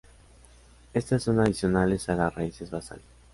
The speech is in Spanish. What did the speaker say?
Estas son adicionales a las raíces basales.